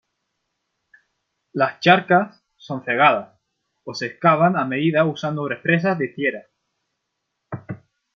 Las charcas son cegadas, o se excavan a medida usando represas de tierra.